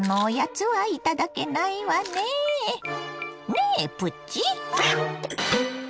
ねえプチ。